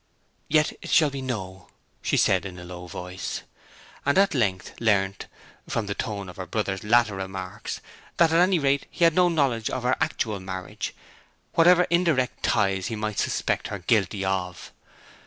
'And yet it will be no,' she said, in a low voice. She had at length learnt, from the tone of her brother's latter remarks, that at any rate he had no knowledge of her actual marriage, whatever indirect ties he might suspect her guilty of.